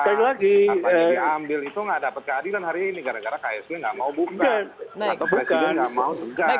yang diambil itu gak dapat keadilan hari ini